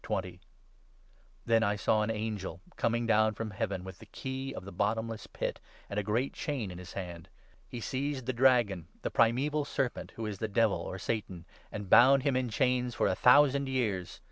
Then I saw an angel coming down from Heaven, with the i key of the bottomless pit and a great chain in his hand. He 2 seized the Dragon, the primeval Serpent (who is the ' Devil ' or ' Satan '), and bound him in chains for a thousand years.